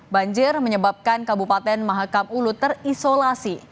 banjir menyebabkan kabupaten mahakam ulu terisolasi